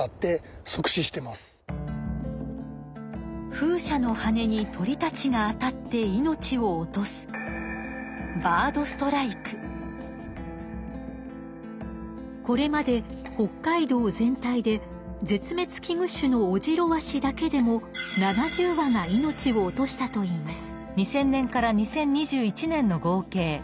風車の羽に鳥たちが当たって命を落とすこれまで北海道全体で絶滅危惧種のオジロワシだけでも７０羽が命を落としたといいます。